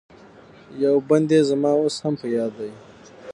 یو بند یې زما اوس هم په یاد دی.